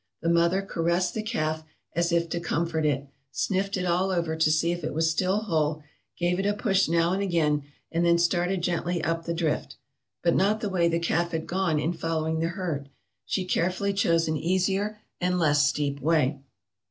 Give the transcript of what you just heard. The mother caressed the calf as if to comfort it, sniffed it all over to see if it was still whole, gave it a push now and again, and then started gently up the drift; but not the way the calf had gone in following the herd; she carefully chose an easier and less steep way.